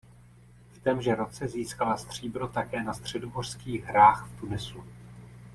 V témže roce získala stříbro také na středomořských hrách v Tunisu.